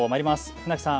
船木さん